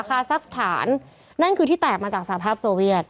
คาซักสถานนั่นคือที่แตกมาจากสภาพโซเวียต